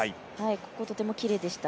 ここ、とてもきれいでした。